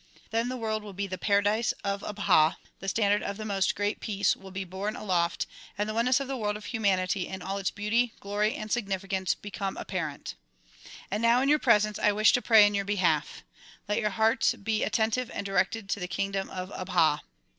Then the world will be the paradise of Abha, the standard of the "IMost Great Peace" will be borne aloft and the oneness of the world of humanity in all its beauty, glory and significance become apparent. And now in your presence I wish to pray in your behalf. Let your hearts be at tentive and directed to the kingdom of Abha.